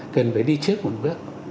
cần phải đi trước một bước